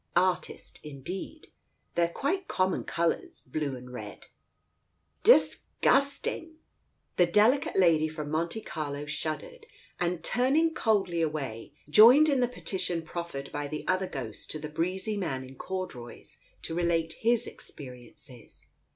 Artist, indeed ! They're quite common colours — blue and red "" Disgusting !" The delicate lady from Monte Carlo shuddered, and turning coldly away, joined in the peti tion proffered by the other ghosts to the breezy man in corduroys, to relate his experiences.